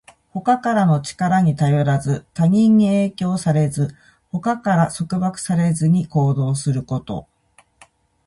他からの力に頼らず、他人に影響されず、他から束縛されずに行動すること。